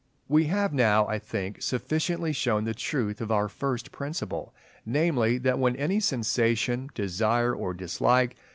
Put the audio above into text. We have now, I think, sufficiently shown the truth of our first Principle, namely, that when any sensation, desire, dislike, &c.